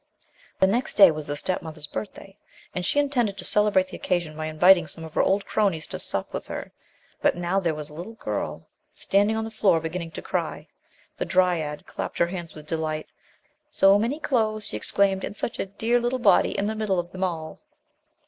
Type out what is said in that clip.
The next day was the step mother's birthday, and she intended to celebrate the occasion by inviting some of her old cronies to sup with her ; but now there was a little girl standing on the floor, beginning to cry. The dryad clapped THE LOST DRYAD her hands with delight. "So many clothes," she exclaimed, "and such a dear little body in the middle of them all